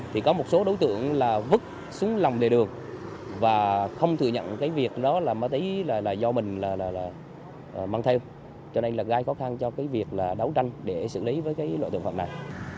thì có một số đối tượng là vứt xuống lòng đề đường và không thừa nhận cái việc đó là ma túy là do mình mang theo cho nên là gây khó khăn cho cái việc là đấu tranh để xử lý với cái loại tội phạm này